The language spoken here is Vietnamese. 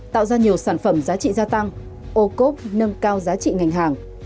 tạo ra nhiều sản phẩm giá trị gia tăng ô cốp nâng cao giá trị ngành hàng